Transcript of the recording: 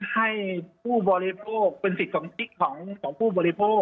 ให้ผู้บริโภคเป็นสิทธิ์ของผู้บริโภค